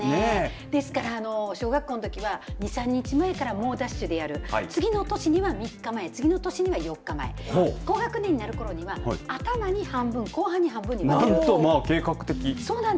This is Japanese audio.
小学校のときは２、３日前に猛ダッシュでやる次の年には３日前次の年には４日前高学年になるころには計画的。